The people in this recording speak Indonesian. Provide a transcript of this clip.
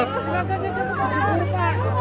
pak pak pak